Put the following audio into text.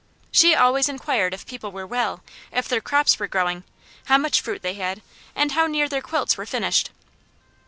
She always inquired if people were well, if their crops were growing, how much fruit they had, and how near their quilts were finished.